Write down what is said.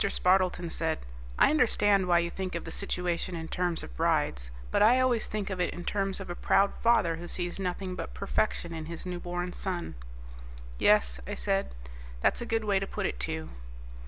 Spardleton said, "I understand why you think of the situation in terms of brides, but I always think of it in terms of a proud father who sees nothing but perfection in his newborn son." "Yes," I said, "that's a good way to put it, too."